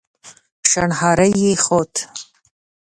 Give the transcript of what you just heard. شڼهاری يې خوت.